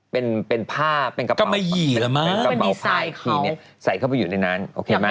เป็นผ้าบัวพลายอีของเขาใส่เข้าไปยูด้านนั้นโอเคอะไร